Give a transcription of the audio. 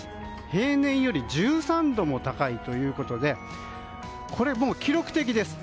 平年より１３度も高いということでこれもう記録的です。